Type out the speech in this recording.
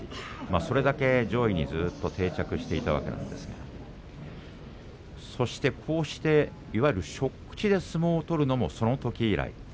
それだけ上位にずっと定着していたわけですがこうして、いわゆる初口で相撲を取るのもそのとき以来。